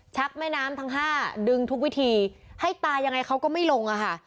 แม่น้ำทั้งห้าดึงทุกวิธีให้ตายยังไงเขาก็ไม่ลงอะค่ะ